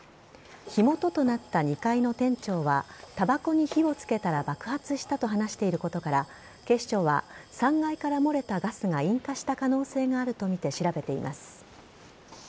火元となった２階の店長はたばこに火を付けたら爆発したと話していることから警視庁は、３階から漏れたガスが引火した可能性があるとみて調べています。